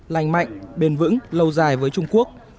lành mạnh bền vững lâu dài với trung quốc